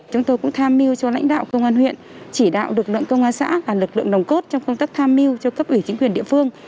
chúng tôi cũng tham mưu cho lãnh đạo công an huyện chỉ đạo lực lượng công an xã là lực lượng nồng cốt trong công tác tham mưu cho cấp ủy chính quyền địa phương